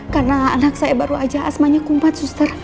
karena anak saya baru aja asmanya kumpat suster